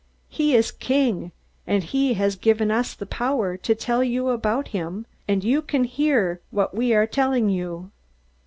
He is King; and he has given us the power to tell you about him, and you can hear what we are telling you.